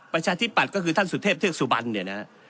ปัญชาธิบัตรก็คือท่านสุชเทพเทือกสุบัน